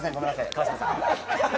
川島さん。